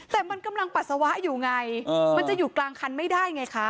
แต่มันกำลังปัสสาวะอยู่ไงมันจะอยู่กลางคันไม่ได้ไงคะ